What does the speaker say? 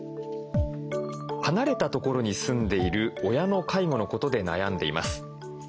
「離れた所に住んでいる親の介護のことで悩んでいます。